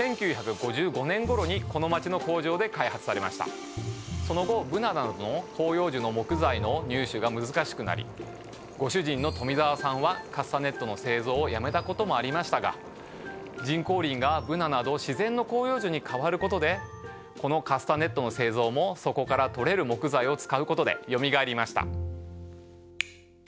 そもそもその後ブナなどの広葉樹の木材の入手が難しくなりご主人の冨澤さんはカスタネットの製造をやめたこともありましたが人工林がブナなど自然の広葉樹に変わることでこのカスタネットの製造もそこからとれる木材を使うことでよみがえりました。